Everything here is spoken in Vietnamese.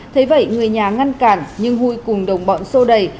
thế vậy người nhà ngăn cản nhưng vui cùng đồng bọn sô đẩy